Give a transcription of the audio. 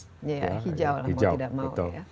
iya hijau lah mau tidak mau ya